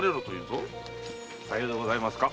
さようでございますか？